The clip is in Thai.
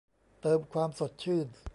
เติมความสดชื่น